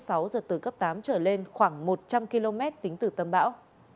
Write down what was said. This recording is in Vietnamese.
bán kính gió mạnh từ cấp tám trở lên khoảng một trăm linh km tính từ tâm bão